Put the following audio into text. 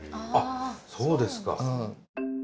あそうですか。